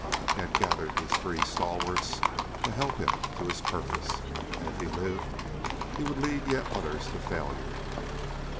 He had gathered these three stalwarts to help him to his purpose, and if he lived he would lead yet others to failure.